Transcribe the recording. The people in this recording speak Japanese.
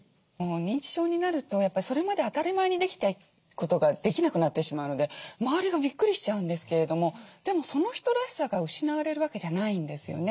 認知症になるとやっぱりそれまで当たり前にできたことができなくなってしまうので周りがびっくりしちゃうんですけれどもでもその人らしさが失われるわけじゃないんですよね。